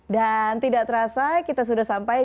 dan tidak terasa kita sudah sampai